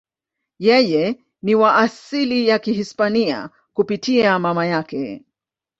Yeye ni wa asili ya Kihispania kupitia mama yake.